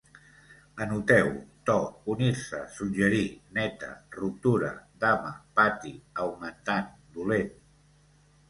Anoteu: to, unir-se, suggerir, neta, ruptura, dama, pati, augmentant, dolent